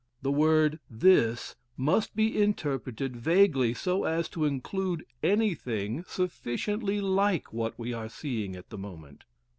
The word "this" must be interpreted vaguely so as to include anything sufficiently like what we are seeing at the moment.